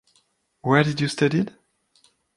Where did you studied?